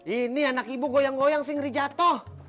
ini anak ibu goyang goyang sih ngeri jatuh